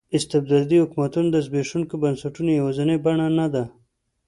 استبدادي حکومت د زبېښونکو بنسټونو یوازینۍ بڼه نه ده.